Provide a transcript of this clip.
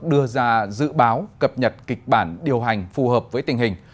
đưa ra dự báo cập nhật kịch bản điều hành phù hợp với tình hình